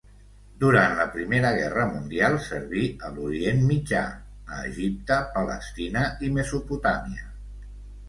Durant la Primera Guerra Mundial, serví a l'Orient Mitjà a Egipte, Palestina i Mesopotàmia.